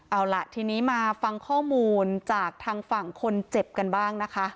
เอาล่ะทีนี้มาฟังข้อมูลจากทางฝั่งคนเจ็บกันบ้างนะคะ